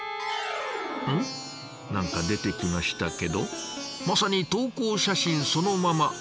何か出てきましたけどまさに投稿写真そのまま。